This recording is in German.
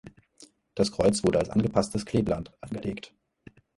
Das Kreuz wurde als angepasstes Kleeblatt angelegt.